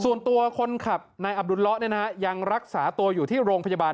ส่วนตัวคนขับนายอับดุลเลาะยังรักษาตัวอยู่ที่โรงพยาบาล